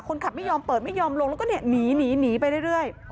คนขับไม่ยอมเปิดไม่ยอมลงแล้วก็หนีไปเรื่อย